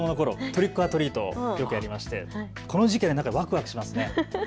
トリックオアトリート、よくやりまして、この時期はわくわくしますね。